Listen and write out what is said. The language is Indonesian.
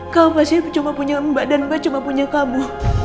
kamu gak sih cuma punya mbak dan mbak cuma punya kamu